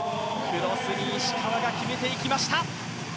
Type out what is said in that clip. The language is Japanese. クロスに石川が決めていきました。